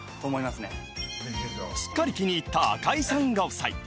すっかり気に入った赤井さんご夫妻